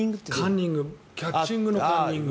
キャッチングのカンニング。